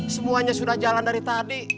semuanya sudah jalan dari tadi